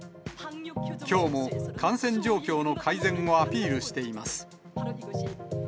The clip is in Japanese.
きょうも感染状況の改善をアピールしています。